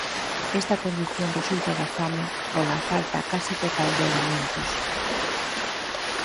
Esta condición resulta da fame por falta case total de alimentos.